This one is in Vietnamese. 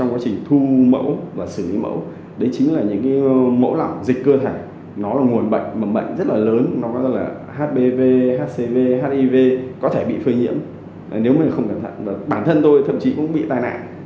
nếu mình không cẩn thận bản thân tôi thậm chí cũng bị tai nạn